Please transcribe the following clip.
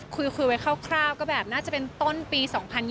คุยไว้คร่าวก็แบบน่าจะเป็นต้นปี๒๐๒๐